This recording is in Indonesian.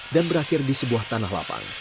dan berakhir di sebuah tanah lapang